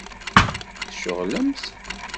Tceɣlemt?